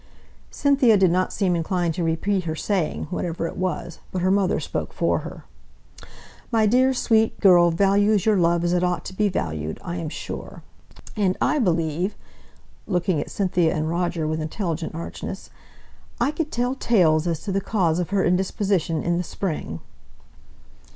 Cynthia did not seem inclined to repeat her saying, whatever it was, but her mother spoke for her. "My dear sweet girl values your love as it ought to be valued, I am sure. And I believe," looking at Cynthia and Roger with intelligent archness, "I could tell tales as to the cause of her indisposition in the spring."